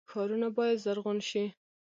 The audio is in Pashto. ښارونه باید زرغون شي